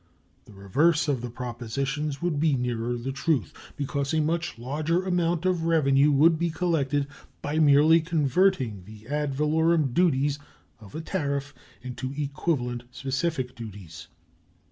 The reverse of the propositions would be nearer to the truth, because a much larger amount of revenue would be collected by merely converting the ad valorem duties of a tariff into equivalent specific duties.